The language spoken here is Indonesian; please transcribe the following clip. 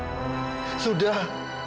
dan diperlepas sebaik sendirian